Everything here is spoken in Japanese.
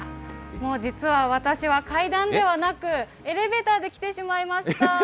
もう実は私は階段ではなく、エレベーターで来てしまいました。